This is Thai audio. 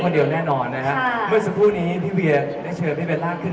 เหมือนกับที่สุดของฉัน